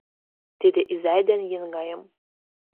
Тиде изай ден еҥгаем